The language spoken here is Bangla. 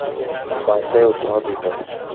তাতে উৎসাহ দিত।